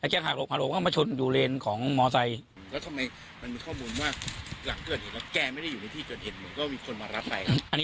แต่กว่าจะเล่นหพานยังไม่ได้